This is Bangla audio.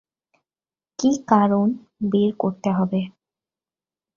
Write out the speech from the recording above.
কি কারণ বের করতে হবে।